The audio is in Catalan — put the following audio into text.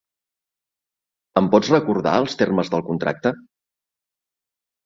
Em pots recordar els termes del contracte?